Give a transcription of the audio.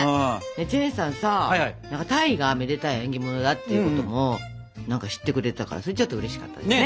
チェンさんさ鯛がめでたい縁起物だっていうことも知ってくれてたからそれちょっとうれしかったね。